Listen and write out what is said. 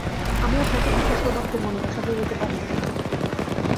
আমি আপনাকে দুটো সৌভাগ্যের মণি বসাতে দিতে পারি না।